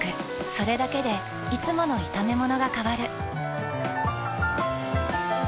それだけでいつもの炒めものが変わる。